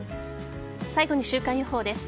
最後に週間予報です。